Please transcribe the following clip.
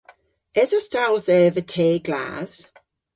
Esos ta owth eva te glas?